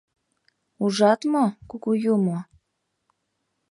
Ужат мо, кугу юмо?